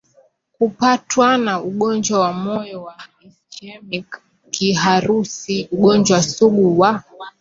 kupatwana ugonjwa wa moyo wa ischaemic kiharusi ugonjwa sugu wa